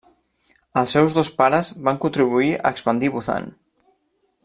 Els seus dos pares van contribuir a expandir Bhutan.